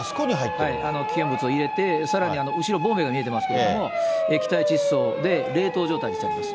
危険物を入れて、さらには後ろ、ボンベが見えていますが、液体窒素で冷凍状態にしています。